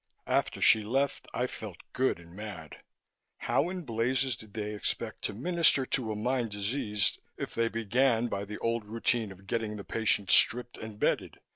After she left, I felt good and mad. How in blazes did they expect to minister to a mind diseased, if they began by the old routine of getting the patient stripped and bedded?